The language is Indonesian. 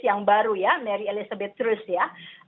yang baru ya mary elizabeth terus ya